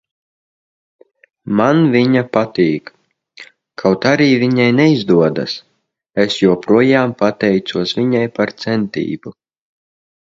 Man viņa patīk. Kaut arī viņai neizdodas, es joprojām pateicos viņai par centību.